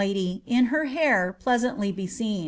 lady, in her hair, pleasantly beseen.